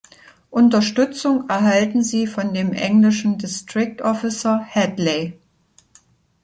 Unterstützung erhalten sie von dem englischen District Officer "Hedley".